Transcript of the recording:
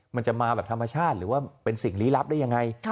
มันจะมาแบบธรรมชาติหรือว่าเป็นสิ่งลี้ลับได้ยังไง